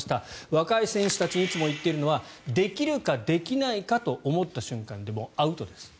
若い選手たちにいつも言っているのはできるかできないかと思った瞬間でアウトです。